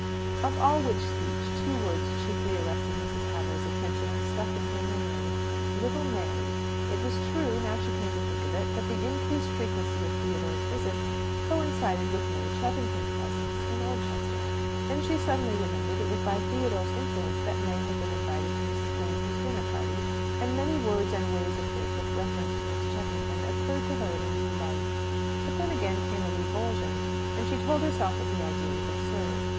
Of all which speech, two words chiefly arrested Mrs. Hadlow's attention and stuck in her memory "little May." It was true, now she came to think of it, that the increased frequency of Theodore's visits coincided with May Cheffington's presence in Oldchester. Then she suddenly remembered it was by Theodore's influence that May had been invited to Mrs. Bransby's dinner party, and many words and ways of his with reference to Miss Cheffington occurred to her in a new light. But then, again, came a revulsion, and she told herself that the idea was absurd.